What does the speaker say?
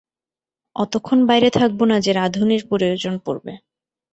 অতোক্ষণ বাইরে থাকবো না যে রাঁধুনির প্রয়োজন পড়বে।